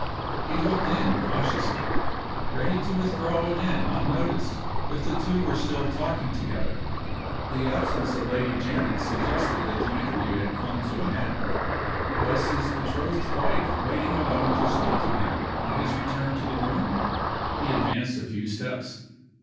He looked in cautiously, ready to withdraw again unnoticed if the two were still talking together. The absence of Lady Janet suggested that the interview had come to an end. Was his betrothed wife waiting alone to speak to him on his return to the room? He advanced a few steps.